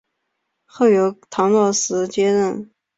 后由唐若时接任。